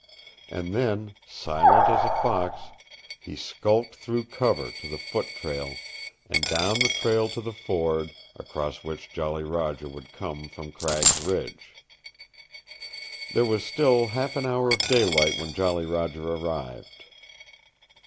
And then, silent as a fox, he skulked through cover to the foot trail, and down the trail to the ford, across which Jolly Roger would come from Cragg's Ridge. There was still half an hour of daylight when Jolly Roger arrived.